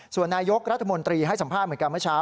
ส่วนนายกรัฐมนตรีให้สัมภาษณ์เหมือนกันเมื่อเช้า